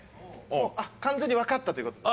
完全にわかったという事で。